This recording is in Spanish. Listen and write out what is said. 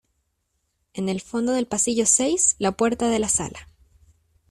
En el fondo del pasillo seis la puerta de la sala.